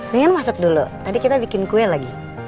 dengan masap dulu tadi kita bikin kue lagi